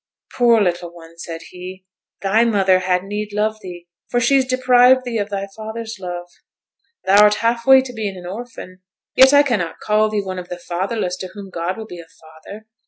'Poor little one!' said he, 'thy mother had need love thee, for she's deprived thee of thy father's love. Thou'rt half way to being an orphan; yet I cannot call thee one of the fatherless to whom God will be a father.